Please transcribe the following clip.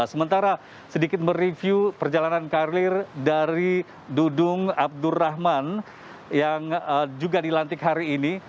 sementara sedikit mereview perjalanan karir dari dudung abdurrahman yang juga dilantik hari ini